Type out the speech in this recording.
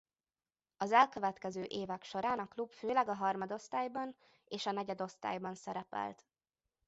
Az elkövetkező évek során a klub főleg a harmadosztályban és a negyedosztályban szerepelt.